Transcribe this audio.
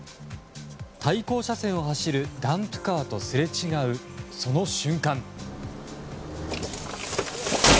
対向車線を走るダンプカーとすれ違う、その瞬間。